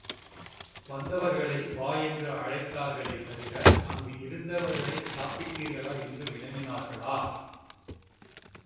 வந்தவர்களை வா என்று அழைத்தார்களே தவிர அங்கு இருந்தவர்களைச் சாப்பிட்டீர்களா என்று வினவினார்களா?